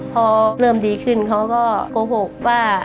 พอเริ่มดีขึ้นเขาก็โกหกว่า